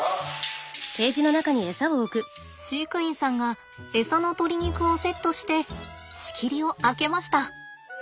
飼育員さんがエサの鶏肉をセットして仕切りを開けました。